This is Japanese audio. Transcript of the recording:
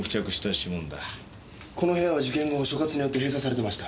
この部屋は事件後所轄によって閉鎖されてました。